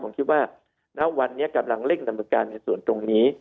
ผมคิดว่าณวันนี้กำลังเลขนำบังการในศูนย์ตรงนี้